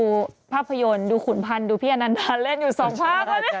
ดูภาพยนตร์ดูขุนพันธ์ดูพี่อนันทานเล่นอยู่สองภาพ